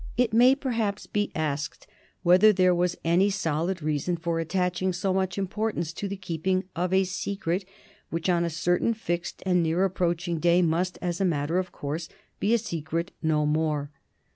It may perhaps be asked whether there was any solid reason for attaching so much importance to the keeping of a secret which on a certain fixed and near approaching day must, as a matter of fact, be a secret no more.